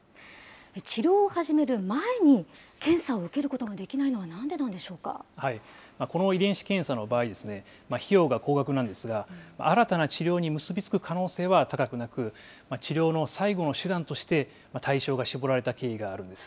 治療を始める前に検査を受けることができないのはなんでなんでしこの遺伝子検査の場合、費用が高額なんですが、新たな治療に結び付く可能性は高くなく、治療の最後の手段として対象が絞られた経緯があるんです。